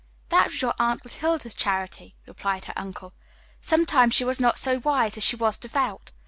"That was your Aunt Clotilde's charity," replied her uncle. "Sometimes she was not so wise as she was devout.